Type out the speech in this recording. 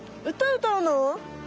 うたうたうの？